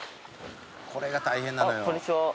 「これが大変なのよ」